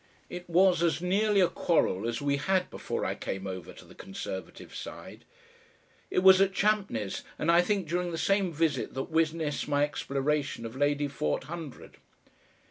It was as nearly a quarrel as we had before I came over to the Conservative side. It was at Champneys, and I think during the same visit that witnessed my exploration of Lady Forthundred.